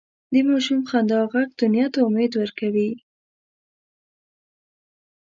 د ماشوم خندا ږغ دنیا ته امید ورکوي.